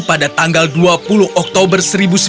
pada tanggal dua puluh oktober seribu sembilan ratus empat puluh